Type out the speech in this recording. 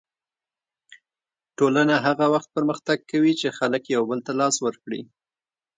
ټولنه هغه وخت پرمختګ کوي چې خلک یو بل ته لاس ورکړي.